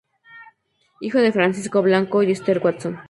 Hijo de Francisco Blanco y Ester Watson.